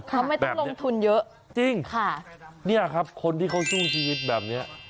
เขาไม่ต้องลงทุนเยอะจริงค่ะเนี่ยครับคนที่เขาสู้ชีวิตแบบเนี้ย